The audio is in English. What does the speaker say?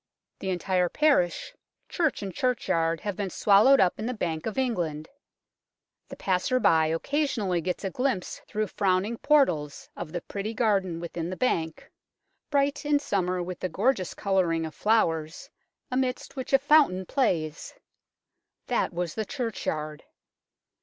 The en tire parish, church and churchyard have been swallowed up in the Bank of England. The passer by occasionally gets a glimpse through frowning portals of the pretty garden within the Bank, bright in summer with the gorgeous colouring of flowers, amidst which a fountain plays. That was the churchyard.